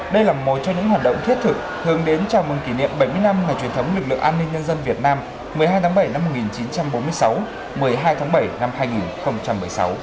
đây là một trong những hoạt động thiết thực hướng đến chào mừng kỷ niệm bảy mươi năm ngày truyền thống lực lượng an ninh nhân dân việt nam một mươi hai tháng bảy năm một nghìn chín trăm bốn mươi sáu một mươi hai tháng bảy năm hai nghìn một mươi sáu